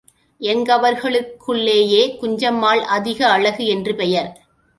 எங்களவர்களுக்குள்ளேயே குஞ்சம்மாள் அதிக அழகு என்று பெயர்.